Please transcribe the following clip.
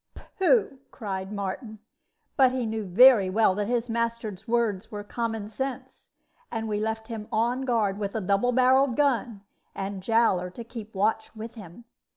"Pooh!" cried Martin; but he knew very well that his master's words were common sense; and we left him on guard with a double barreled gun, and Jowler to keep watch with him.